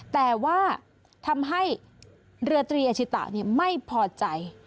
แต่ว่าทำให้เรือตรีอาชิตะไม่พอใจ